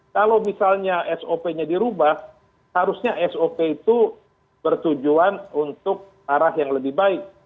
kalau misalnya sop nya dirubah harusnya sop itu bertujuan untuk arah yang lebih baik